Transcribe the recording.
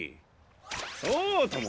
そうとも。